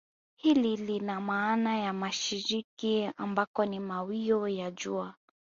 Hili lina maana ya mashariki ambako ni mawio ya jua